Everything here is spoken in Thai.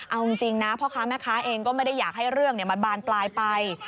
เอาจริงนะพ่อค้าแม่ค้าเองก็ไม่ได้อยากให้เรื่องมันบานปลายไป